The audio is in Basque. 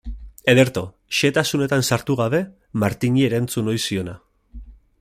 Ederto, xehetasunetan sartu gabe, Martini erantzun ohi ziona.